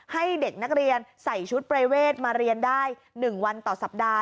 ให้เด็กนักเรียนใส่ชุดประเวทมาเรียนได้๑วันต่อสัปดาห์